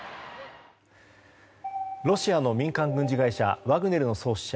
ロシアの民間軍事会社ワグネルの創始者